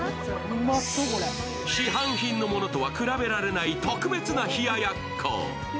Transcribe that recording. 市販品のものとは比べられない特別な冷奴。